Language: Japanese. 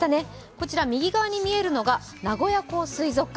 こちら右側に見えるのが名古屋港水族館。